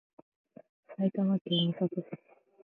埼玉県美里町